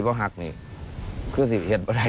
จากสิมายุเหตุใด